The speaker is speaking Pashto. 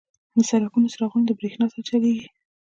• د سړکونو څراغونه د برېښنا سره چلیږي.